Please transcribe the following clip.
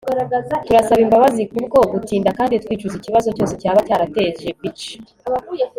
turasaba imbabazi kubwo gutinda kandi twicuza ikibazo cyose cyaba cyarateje. (vicch